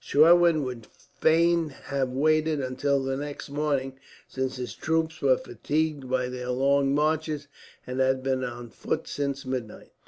Schwerin would fain have waited until the next morning, since his troops were fatigued by their long marches, and had been on foot since midnight.